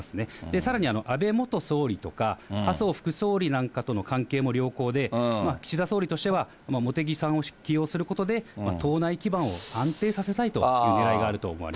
さらに安倍元総理とか、麻生副総理なんかとの関係も良好で、岸田総理としては茂木さんを起用することで、党内基盤安定させたいというねらいがあると思われます。